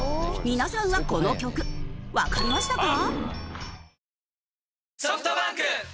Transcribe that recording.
皆さんはこの曲わかりましたか？